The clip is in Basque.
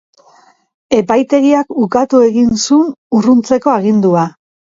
Epaitegiak ukatu egin zun urruntzeko agindua.